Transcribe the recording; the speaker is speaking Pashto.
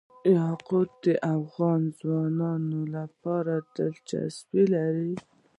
یاقوت د افغان ځوانانو لپاره دلچسپي لري.